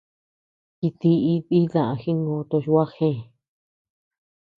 Jitií diiyu daá jingö toch gua jee.